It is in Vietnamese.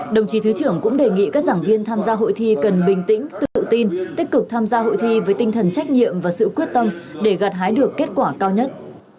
đồng chí thứ trưởng cũng đề nghị các giảng viên tham gia hội thi cần bình tĩnh tự tin tích cực tham gia hội thi với tinh thần trách nhiệm và sự quyết tâm để gạt hái được kết quả cao nhất